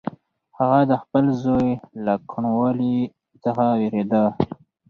هغه د خپل زوی له کوڼوالي څخه وېرېده.